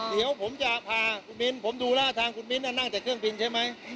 เดี๋ยวผมจะพาคุณมิ้นผมดูแล้วทางคุณมิ้นนั่งแต่เครื่องบินใช่ไหม